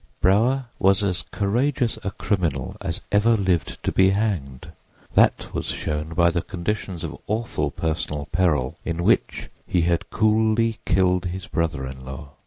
Brower was as courageous a criminal as ever lived to be hanged; that was shown by the conditions of awful personal peril in which he had coolly killed his brother in law.